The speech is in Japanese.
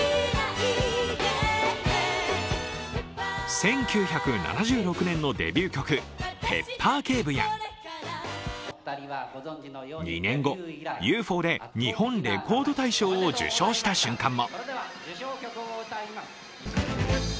１９７６年のデビュー曲「ペッパー警部」や２年後、「ＵＦＯ」で日本レコード大賞を受賞した瞬間も。